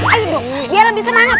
aduh biar lebih semangat